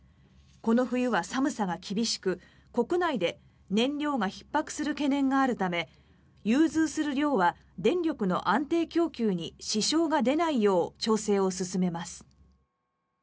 この冬は寒さが厳しく、国内で燃料がひっ迫する懸念があるため融通する量は電力の安定供給に支障が出ないよう調整を進めます。